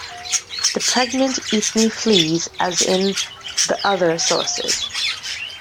The pregnant Eithne flees as in the other sources.